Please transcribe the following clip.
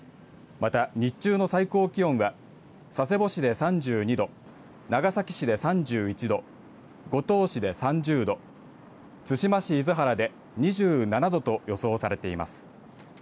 また、日中の最高気温が佐世保市で３２度長崎市で３１度五島市で３０度対馬市厳原で２７度と予想されています。